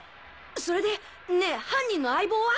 それでねぇ犯人の相棒は？